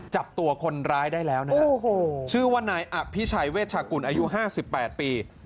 จับตัวคนร้ายได้แล้วนะฮะชื่อว่านายอภิชัยเวชชากุลอายุ๕๘ปี